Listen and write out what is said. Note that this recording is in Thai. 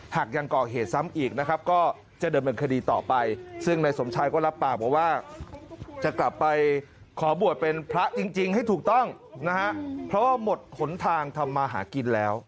หากยังก่อเหตุซ้ำอีกนะครับก็จะเดินเป็นคดีต่อไป